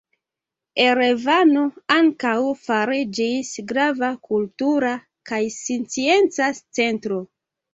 Erevano ankaŭ fariĝis grava kultura kaj scienca centro.